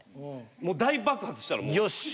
もう大爆発したらもう。よしっ。